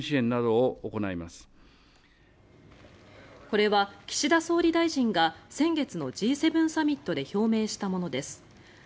これは岸田総理大臣が先月のＧ７サミットで表明したものです。